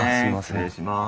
失礼します。